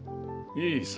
いいさ。